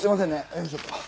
よいしょっと。